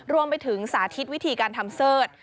รวมไปถึงสาธิตวิธีการทำเสิร์ธ